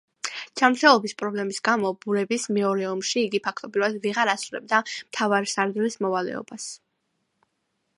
ჯანმრთელობის პრობლემის გამო ბურების მეორე ომში იგი ფაქტობრივად ვეღარ ასრულებდა მთავარსარდლის მოვალეობას.